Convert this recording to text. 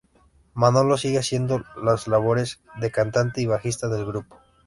Manolo sigue haciendo las labores de cantante y bajista del grupo.